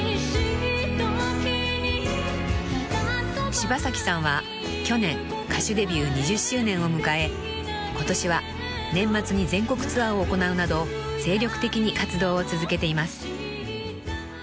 ［柴咲さんは去年歌手デビュー２０周年を迎え今年は年末に全国ツアーを行うなど精力的に活動を続けています］